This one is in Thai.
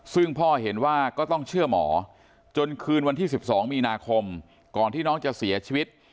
ซึ่งพ่อเห็นว่าก็ต้องเชื่อหมอจนคืนวันที่๑๒มีนาคมก่อนที่น้องจะเสียชีวิต